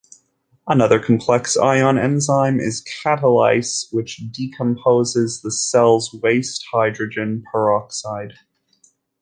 Another complex ion enzyme is catalase, which decomposes the cell's waste hydrogen peroxide.